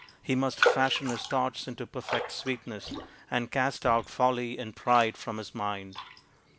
He must fashion his thoughts into perfect sweetness, And cast out folly and pride from his mind.